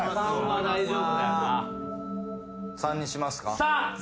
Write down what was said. ３にしますか？